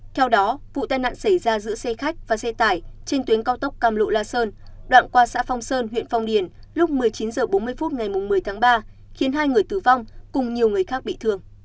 theo đó vụ tai nạn xảy ra giữa xe khách và xe tải trên tuyến cao tốc cam lộ la sơn đoạn qua xã phong sơn huyện phong điền lúc một mươi chín h bốn mươi phút ngày một mươi tháng ba khiến hai người tử vong cùng nhiều người khác bị thương